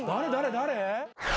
誰？